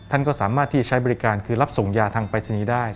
ท่านก็สามารถที่ใช้บริการคือรับส่งยาทางปรายศนีย์ได้